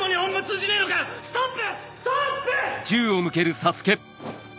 ストップ！